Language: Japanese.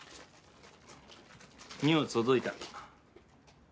荷物届いた。